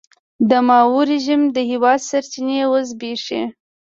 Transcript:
د ماوو رژیم د هېواد سرچینې وزبېښي.